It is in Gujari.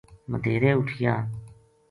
مدیہرے اُ ٹھیا